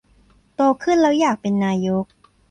โตขึ้นแล้วอยากเป็นนายก